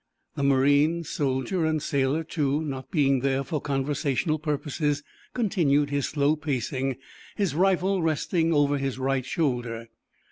The marine—"soldier, and sailor, too"—not being there for conversational purposes, continued his slow pacing, his rifle resting over his right shoulder.